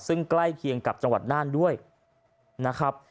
ซึ่งใกล้เคียงกับจังหวัดน่านด้วยนะครับ